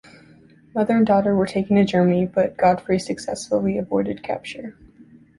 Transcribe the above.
Mother and daughter were taken to Germany, but Godfrey successfully avoided capture.